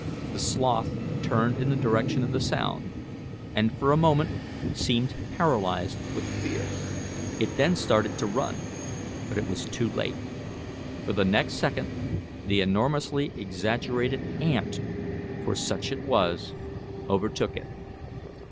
The sloth turned in the direction of the sound, and for a moment seemed paralyzed with fear; it then started to run, but it was too late, for the next second the enormously exaggerated ant for such it was overtook it.